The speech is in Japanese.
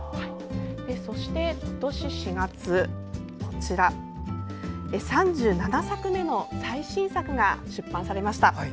そして今年４月、３７作目の最新作が出版されました。